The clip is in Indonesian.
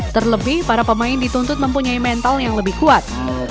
terlebih para pemain dituntut mempunyai mental yang lebih kuat